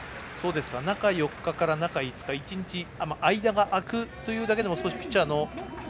中４日、中５日、１日間が空くというだけでもピッチャーの。